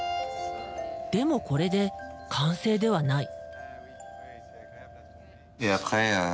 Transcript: でもこれで完成ではない。